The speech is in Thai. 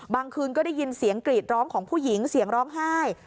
คืนก็ได้ยินเสียงกรีดร้องของผู้หญิงเสียงร้องไห้